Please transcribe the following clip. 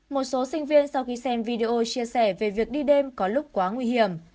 một số sinh viên sau khi xem video chia sẻ về việc đi đêm có lúc quá nguy hiểm